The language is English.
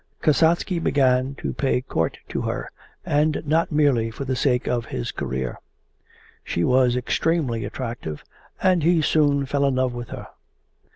Kasatsky began to pay court to her, and not merely for the sake of his career. She was extremely attractive and he soon fell in love with her.